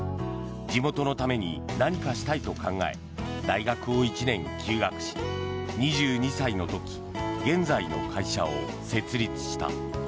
地元のために何かしたいと考え大学を１年休学し２２歳の時現在の会社を設立した。